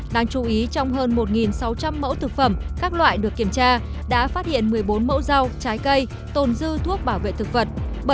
đáng chú ý trong hơn một sáu trăm linh mẫu thực phẩm các loại được kiểm tra đã phát hiện một mươi bốn mẫu rau trái cây tồn dư thuốc bảo vệ thực vật